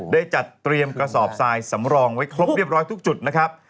ได้จัดเตรียมกระสอบทรายสำรองไว้ครบเรียบร้อยทุกจุดนะครับ